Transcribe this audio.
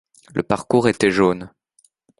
Le parcours était jaune.